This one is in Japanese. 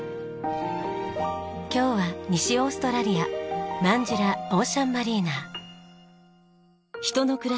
今日は西オーストラリアマンジュラオーシャンマリーナ。